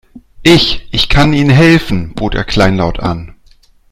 "Ich, ich kann Ihnen helfen", bot er kleinlaut an.